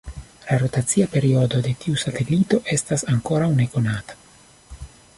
La rotacia periodo de tiu satelito estas ankoraŭ nekonata.